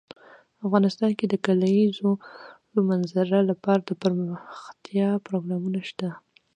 افغانستان کې د د کلیزو منظره لپاره دپرمختیا پروګرامونه شته.